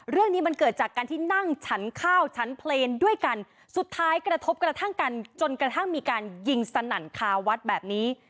เรื่องนี้มันเกิดจากการที่นั่งฉันข้าวฉันเพลงด้วยกันสุดท้ายกระทบกระทั่งกันจนกระทั่งมีการยิงสนั่นคาวัดแบบนี้